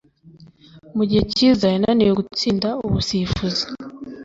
mugihe Kiza yananiwe gutsinda ubusifuzi